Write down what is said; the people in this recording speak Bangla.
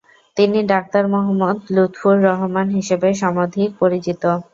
তিনি 'ডাক্তার মোহাম্মদ লুৎফর রহমান' হিসেবে সমধিক পরিচিত।